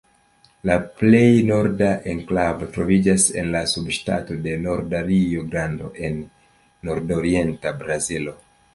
La plej norda enklavo troviĝas en la subŝtato de Norda Rio-Grando en nordorienta Brazilo.